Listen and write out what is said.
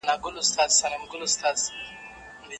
بې طرفه څېړنه د ټولو لپاره ګټوره وي.